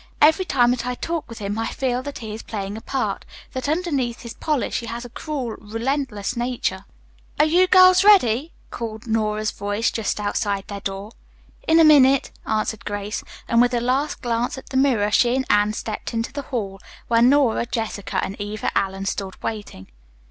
Every time that I talk with him I feel that he is playing a part, that underneath his polish he has a cruel, relentless nature." "Are you girls ready!" called Nora's voice just outside their door. "In a minute," answered Grace, and with a last glance at the mirror she and Anne stepped into the hall, where Nora, Jessica and Eva Allen stood waiting.